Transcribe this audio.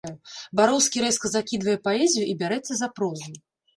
Бароўскі рэзка закідвае паэзію і бярэцца за прозу.